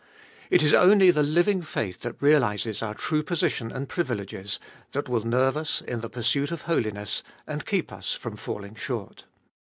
It is only the living faith that realises our true position and privileges, that will nerve us in the pursuit of holiness, and keep us from falling short.